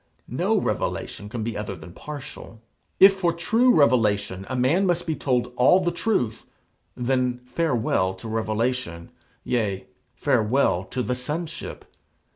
No revelation can be other than partial. If for true revelation a man must be told all the truth, then farewell to revelation; yea, farewell to the sonship.